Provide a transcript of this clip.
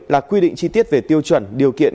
là quy định chi tiết về tiêu chuẩn điều kiện